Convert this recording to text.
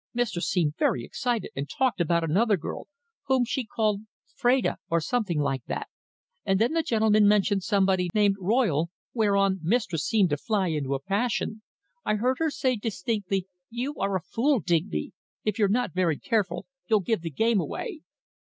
Mistress seemed very excited and talked about another girl, which she called Freda, or something like that, and then the gentleman mentioned somebody named Royle, whereon mistress seemed to fly into a passion. I heard her say distinctly, 'You are a fool, Digby! If you're not very careful you'll give the game away.'